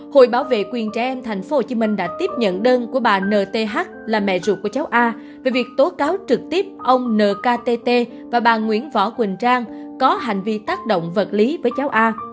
hội bảo vệ quyền trẻ em tp hcm đã tiếp nhận đơn của bà nth là mẹ ruột của cháu a về việc tố cáo trực tiếp ông nkt và bà nguyễn võ quỳnh trang có hành vi tác động vật lý với cháu a